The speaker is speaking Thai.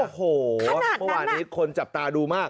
โอ้โหเมื่อวานนี้คนจับตาดูมาก